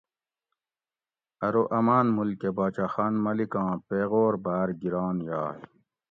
ارو آمان مول کہ باچا خان ملیک آ پیغور باۤر گران یاگ